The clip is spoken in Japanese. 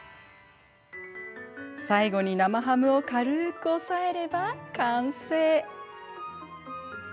最後に生ハムを軽く押さえれば完成。